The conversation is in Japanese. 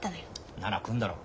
なら来んだろ。